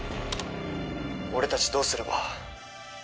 「俺たちどうすれば？」